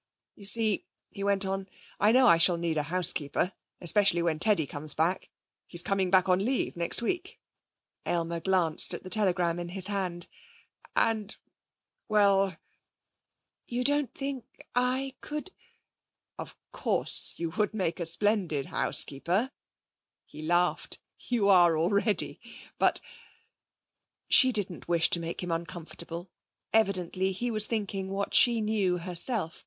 'You see,' he went on, 'I know I shall need a housekeeper, especially when Teddy comes back. He's coming back on leave next week' Aylmer glanced at the telegram in his hand 'and, well ' 'You don't think I could ' 'Of course you would make a splendid housekeeper,' he laughed. 'You are already, but ' She didn't wish to make him uncomfortable. Evidently he was thinking what she knew herself.